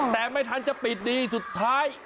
แต่ไม่ทันจะปิดดีสุดท้าย